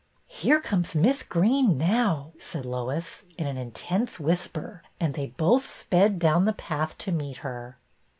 " Here comes Miss Greene now," said Lois, in an intense whisper; and they both sped down the path to meet her.